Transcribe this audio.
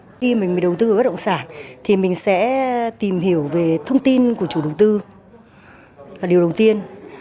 khi mình đầu tư vào bất động sản thì mình sẽ tìm hiểu về thông tin của chủ đầu tư là điều đầu tiên